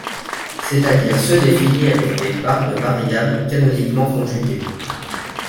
c'est à dire ceux définis avec des pares de variables canoniquement conjuguées